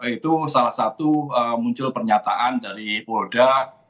itu salah satu muncul pernyataan dari polda